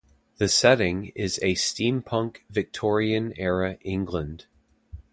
The setting is a steampunk Victorian era England.